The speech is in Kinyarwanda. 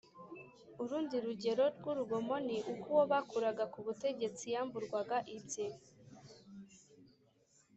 Urundi rugero rw'urugomo ni uko uwo bakuraga ku butegetsi yamburwaga ibye